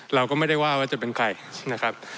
เราก็ไม่ได้ว่าว่าจะเป็นใครนะครับ